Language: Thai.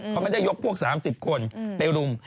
เขาไม่ได้ยกพวก๓๐คนไปรุม